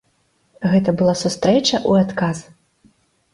Гэта была сустрэча ў адказ.